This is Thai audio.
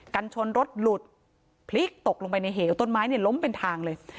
กันชนรถหลุดพลิกตกลงไปในเหวต้นไม้เนี่ยล้มเป็นทางเลย